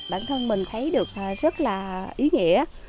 bản thân mình thấy được rất là ý nghĩa